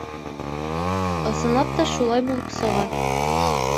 Ысынлап та, шулай булып сыға.